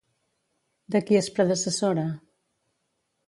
De qui és predecessora?